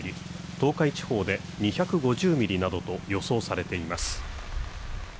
東海地方で２５０ミリなどと予想されています。